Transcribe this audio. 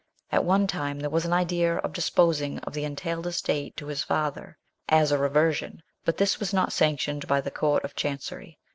At one time there was an idea of disposing of the entailed estate to his father, as a reversion, but this was not sanctioned by the Court of Chancery.